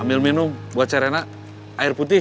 ambil minum buat cerena air putih